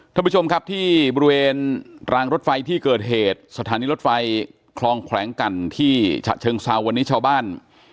ท่านผู้ชมครับที่บริเวณรางรถไฟที่เกิดเหตุสถานีรถไฟคลองแขวงกันที่ฉะเชิงเซาวันนี้ชาวบ้าน